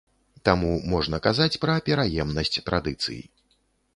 Таму можна казаць пра пераемнасць традыцый.